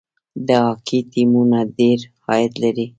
د هاکي ټیمونه ډیر عاید لري.